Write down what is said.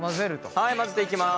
はい混ぜていきます。